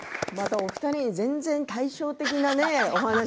お二人の対照的なお話。